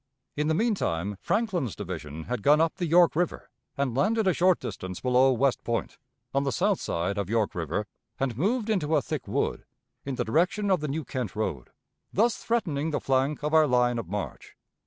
In the mean time Franklin's division had gone up the York River, and landed a short distance below West Point, on the south side of York River, and moved into a thick wood in the direction of the New Kent road, thus threatening the flank of our line of march.